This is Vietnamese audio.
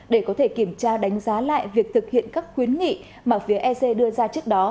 để có thể kiểm tra đánh giá lại việc thực hiện các khuyến nghị mà phía ec đưa ra trước đó